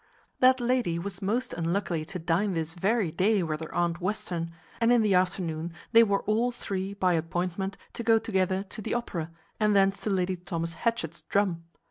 That lady was most unluckily to dine this very day with her aunt Western, and in the afternoon they were all three, by appointment, to go together to the opera, and thence to Lady Thomas Hatchet's drum.